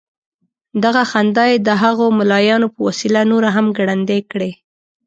دغه خندا یې د هغو ملايانو په وسيله نوره هم ګړندۍ کړې.